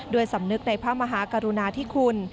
สำนึกในพระมหากรุณาธิคุณ